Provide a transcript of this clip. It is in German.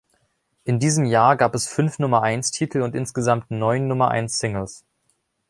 In diesem Jahr gab es fünf Nummer-eins-Titel und insgesamt neun Nummer-eins-Singles.